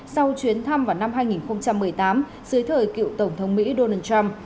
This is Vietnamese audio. sau chuyến thăm vào năm hai nghìn một mươi tám dưới thời cựu tổng thống mỹ donald trump